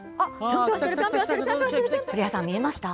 古谷さん、見えました？